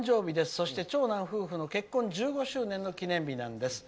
そして長男夫婦の結婚１５年の記念日なんです。